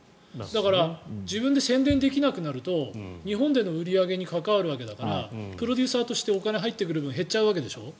だから自分で宣伝できなくなると日本での売り上げに関わるわけだからプロデューサーとしてお金が入ってくる分が減っちゃうわけでしょ。